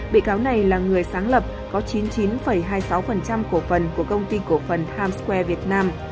bị cáo này là người sáng lập có chín mươi chín hai mươi sáu cổ phần của công ty cổ phần hamsware việt nam